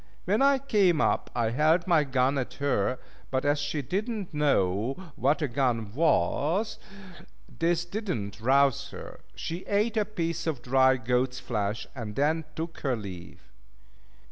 When I came up I held my gun at her, but as she did not know what a gun was, this did not rouse her. She ate a piece of dry goat's flesh, and then took her leave.